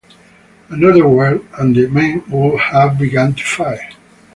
Another word, and the men would have begun to fight.